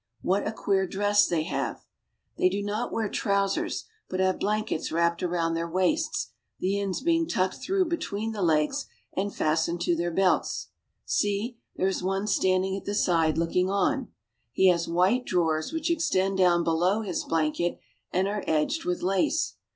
What a queer dress they have ! They do not wear trousers, but have blankets wrapped around their waists, the ends being tucked through between the legs and fastened to their belts. See, there is one standing at the side looking on. He has white drawers which extend down below his blanket and are edged with lace.